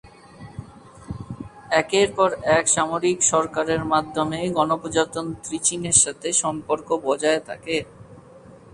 একের পর এক সামরিক সরকারের মাধ্যমে গণপ্রজাতন্ত্রী চীনের সাথে সম্পর্ক বজায় থাকে।